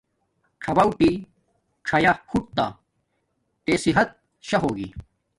څݹٹی څیا ہوٹ تا تے صحت شا ہوگی